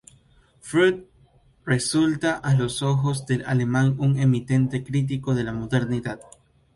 Freud resulta, a los ojos de Alemán un eminente crítico de la modernidad.